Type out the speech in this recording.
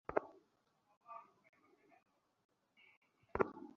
অথচ তারা তোমাদের শত্রু।